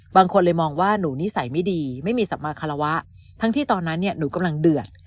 บางคนเลยมองว่าหนูนิสัยไม่ดีไม่มีสัมมาคารวะทั้งที่ตอนนั้นเนี่ยหนูกำลังเดือด